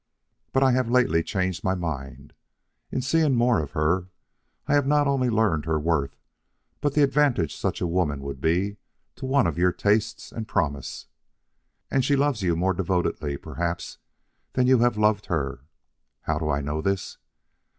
But I have lately changed my mind. In seeing more of her I have not only learned her worth but the advantage such a woman would be to one of your tastes and promise. And she loves you more devotedly, perhaps, than you have loved her. How do I know this?